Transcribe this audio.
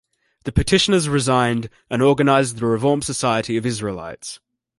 The petitioners resigned and organized the Reform Society of Israelites.